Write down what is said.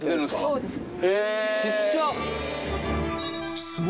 そうですね。